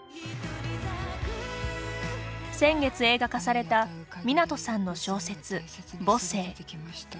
先月映画化された湊さんの小説「母性」。